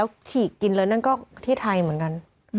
ฉีกกินแล้วนั่นก็ที่ไทยเหมือนกัน